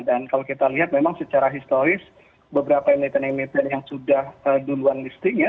dan kalau kita lihat memang secara historis beberapa emiten emiten yang sudah duluan listingnya